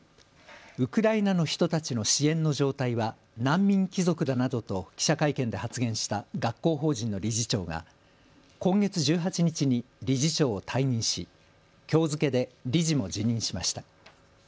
ウクライナの人たちの支援の状態は難民貴族だなどと記者会見で発言した学校法人の理事長が今月１８日に理事長を退任しきょう付けで理事も辞任しました。